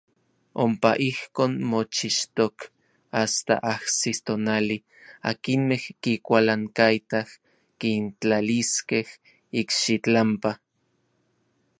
Ompa ijkon mochixtok asta ajsis tonali akinmej kikualankaitaj kintlaliskej ikxitlampa.